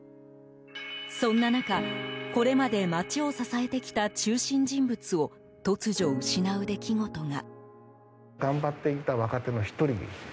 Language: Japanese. そんな中、これまで街を支えてきた中心人物を突如、失う出来事が。